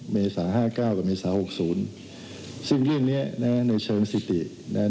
เมษา๕๙กับเมษา๖๐ซึ่งเรื่องเนี่ยนะฮะในเชิงสิทธินะฮะ